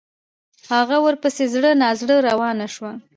هغه ورپسې زړه نا زړه روانه شوه.